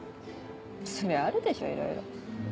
そりゃあるでしょいろいろ。